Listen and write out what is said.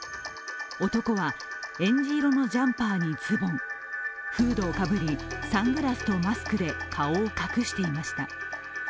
男は、えんじ色のジャンパーにズボン、フードをかぶり、サングラスとマスクで顔を隠していました。